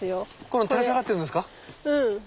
うん。